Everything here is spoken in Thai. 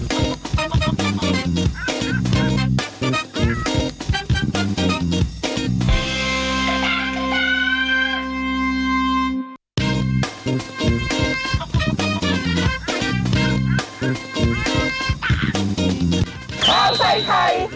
เฮ้อไข่ไข่